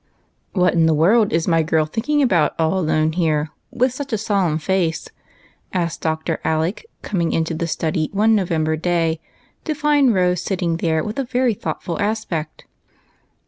" "XT 7HAT in the world is my girl thinking about V V all alone here, with such a solemn face ?" asked Dr. Alec, coming into the study, one November day, to find Rose sitting there with folded hands and a very thoughtful aspect.